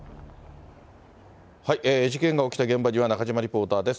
事件が起きた現場には、中島リポーターです。